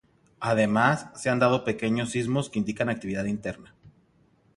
Además, se han dado pequeños sismos que indican actividad interna.